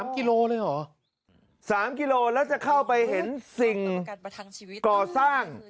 กิโลเลยเหรอ๓กิโลแล้วจะเข้าไปเห็นสิ่งก่อสร้าง